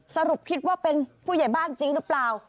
สรุปคิดว่าเป็นผู้ใหญ่บ้านจริงหรือเปล่า